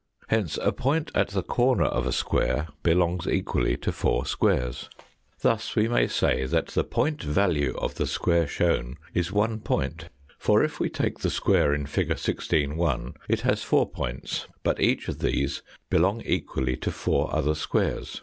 Hence a point at the corner of a square belongs equally to four squares. 30 THE FOU11TH DIMENSION Thus we may say that the point value of the square shown is one point, for if we take the square in fig. 1G (1) it has four points, but each of these belong equally to four other squares.